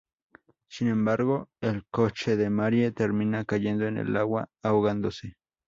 Sin embargo, el coche de Marie termina cayendo en el agua, ahogándose.